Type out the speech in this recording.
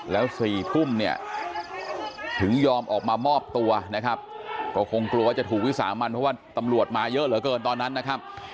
แล้ว๔ทุ่มเนี่ยถึงยอมออกมามอบตัวนะครับก็คงกลัวว่าจะถูกวิสามันเพราะว่าตำรวจมาเยอะเหลือเกินตอนนั้นนะครับ